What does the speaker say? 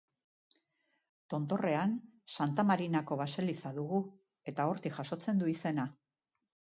Tontorrean Santa Marinako baseliza dugu eta hortik jasotzen du izena.